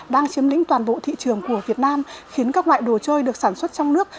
đang chiếm lĩnh toàn bộ thị trường của việt nam khiến các loại đồ chơi được sản xuất trong nước